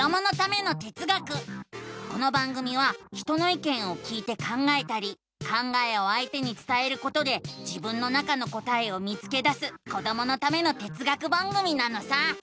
この番組は人のいけんを聞いて考えたり考えをあいてにつたえることで自分の中の答えを見つけだすこどものための哲学番組なのさ！